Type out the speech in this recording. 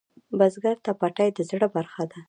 بزګر ته پټی د زړۀ برخه ده